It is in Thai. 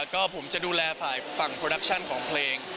ก็ผมจะดูแลฝ่ายฝั่งโปรดักชั่นของเพลง